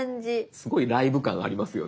すごいライブ感ありますよね。